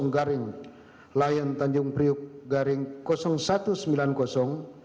garing layan tanjung priuk garing satu ratus sembilan puluh